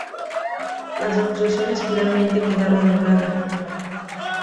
Las acusaciones finalmente quedaron en nada.